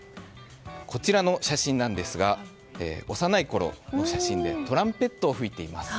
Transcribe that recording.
こちらの写真なんですが幼いころの写真でトランペットを吹いています。